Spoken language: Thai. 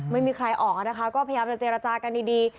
ไม่มีใครออกนะคะก็พยายามจะเจรจากันดี